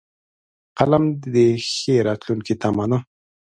قلم د ښې راتلونکې تمه ده